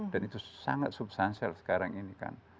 dan itu sangat substansial sekarang ini kan